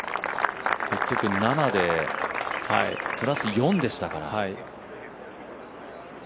特に７で、プラス４でしたから。